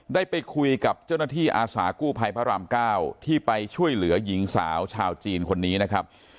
ได้ไปคุยกับเจ้าหน้าที่อาสากู้ภัยพระราม๙ที่ไปช่วยเหลือหญิงสาวชาวจีนคนนี้นะครับ